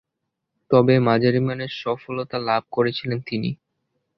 তবে, মাঝারিমানের সফলতা লাভ করেছিলেন তিনি।